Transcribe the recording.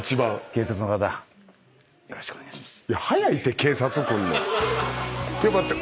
警察の方よろしくお願いします。